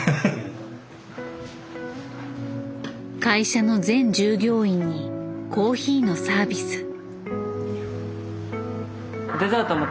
会社の全従業員にコーヒーのサービス。